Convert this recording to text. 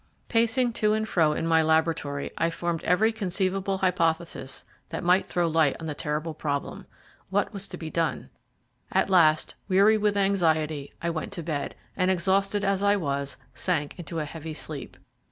Pacing to and fro in my laboratory I formulated every conceivable hypothesis that might throw light on the terrible problem. What was to be done? At last, weary with anxiety, I went to bed, and exhausted as I was, sank into a heavy sleep.